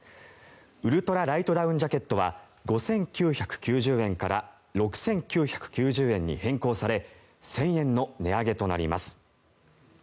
ウルトラライトダウンジャケットは５９９０円から６９９０円に変更され１０００円の値上げとなります。